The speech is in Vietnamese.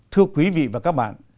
thưa quý vị và các bạn